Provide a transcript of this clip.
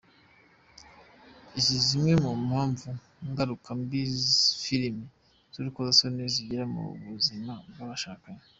Izi zimwe mu mpamvu ngaruka mbi filimi z’urukozasoni zigira ku buzima bw’abashakanye.